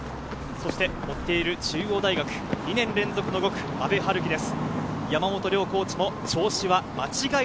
追っている中央大学、２年連続の５区・阿部陽樹です。